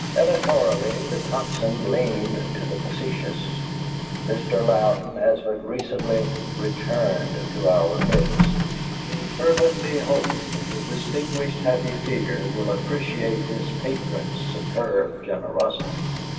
Editorially, the Tocsin leaned to the facetious: "Mr. Louden has but recently 'returned to our midst.' We fervently hope that the distinguished Happy Fear will appreciate his patron's superb generosity.